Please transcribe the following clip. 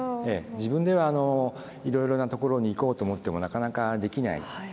自分ではいろいろな所に行こうと思ってもなかなかできない。